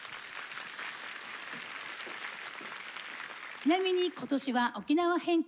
ちなみに今年は沖縄返還５０周年。